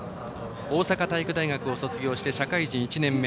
大阪体育大学を卒業して社会人１年目。